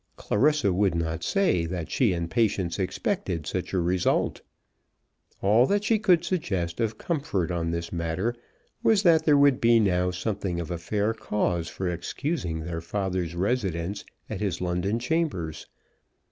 Clarissa would not say that she and Patience expected such a result. All that she could suggest of comfort on this matter was that there would be now something of a fair cause for excusing their father's residence at his London chambers.